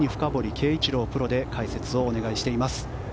圭一郎プロで解説をお願いしています。